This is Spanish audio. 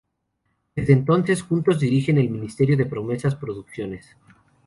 Desde entonces, juntos dirigen el ministerio Promesas Producciones.